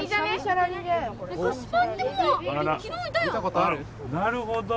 なるほど。